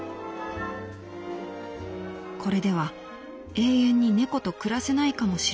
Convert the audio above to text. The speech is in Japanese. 「これでは永遠に猫と暮らせないかもしれない。